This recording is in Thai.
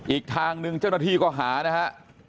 อีกทางหนึ่งเจ้าหน้าที่ก็หานะฮะ